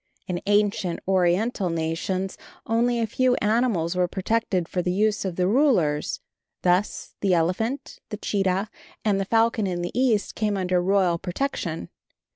In ancient Oriental nations only a few animals were protected for the use of the rulers. Thus the elephant, the cheetah and the falcon in the East came under royal protection.